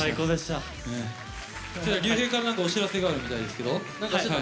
ＲＹＵＨＥＩから、なんかお知らせがあるみたいですけど。